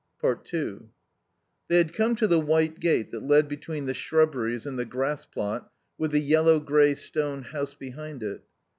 2 They had come to the white gate that led between the shrubberies and the grass plot with the yellow grey stone house behind it.